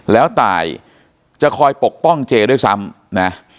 แล้วตายจะคอยปกป้องเจด้วยซ้ำนะ